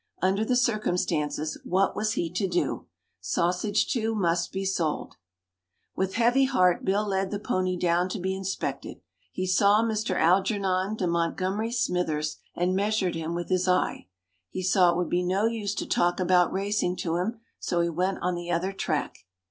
Under the circumstances, what was he to do? Sausage II. must be sold. With heavy heart Bill led the pony down to be inspected. He saw Mr. Algernon de Montgomery Smythers, and measured him with his eye. He saw it would be no use to talk about racing to him, so he went on the other track.